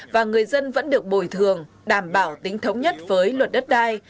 và người dân vẫn được bồi thường đảm bảo tính thống nhất với luật đất đai